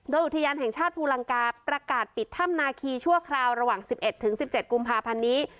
โดยอุทยานแห่งชาติภูลังกาประกาศปิดถ้ำนาคีชั่วคราวระหว่าง๑๑๑๑๗กุมภาพันธ์นี้